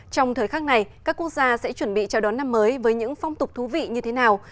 trong thời khắc này các quốc gia sẽ chuẩn bị chào đón năm mới với những phong tục thú vị như thế nào